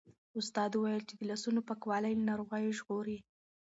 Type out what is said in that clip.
استاد وویل چې د لاسونو پاکوالی له ناروغیو ژغوري.